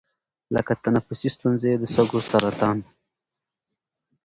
لـکه تنفـسي سـتونـزې، د سـږوسـرطـان،